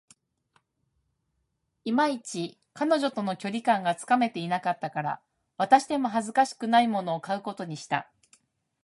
いまいち、彼女との距離感がつかめていなかったから、渡しても恥ずかしくないものを買うことにした